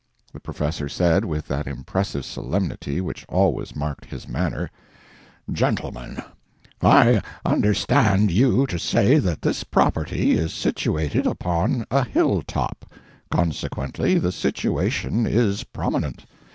The Professor said, with that impressive solemnity which always marked his manner: "Gentlemen, I understand you to say that this property is situated upon a hill top—consequently the situation is prominent.